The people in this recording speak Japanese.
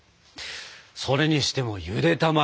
それにしてもゆで卵。